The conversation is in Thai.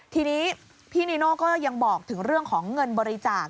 ทีนี้พี่นีโน่ก็ยังบอกถึงเรื่องของเงินบริจาค